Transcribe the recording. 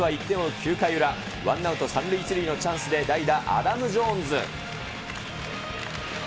９回裏、ワンアウト３塁１塁のチャンスで代打、アダム・ジョーンズ。